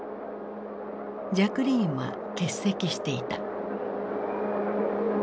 ジャクリーンは欠席していた。